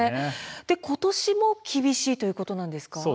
今年も厳しいということなんですか。